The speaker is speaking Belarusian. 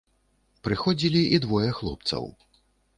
Прыходзілі і двое хлопцаў.